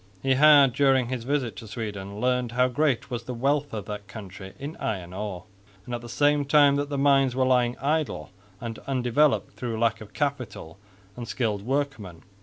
He had, during his visit to Sweden, learnt how great was the wealth of that country in iron ore, and at the same time that the mines were lying idle and undeveloped through lack of capital and skilled workmen.